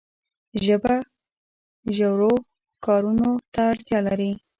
ژبه ژورو کارونو ته اړتیا لري.